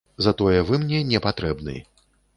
Затое вы мне не патрэбны.